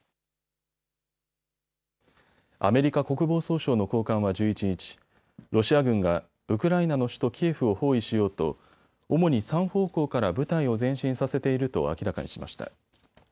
アメリカ国防総省の高官は１１日、ロシア軍がウクライナの首都キエフを包囲しようと主に３方向から部隊を前進させていると明らかにしました。